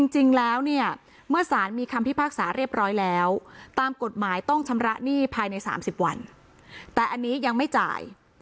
จริงแล้วเนี่ยเมื่อสารมีคำพิพากษาเรียบร้อยแล้วตามกฎหมายต้องชำระหนี้ภายใน๓๐วันแต่อันนี้ยังไม่จ่าย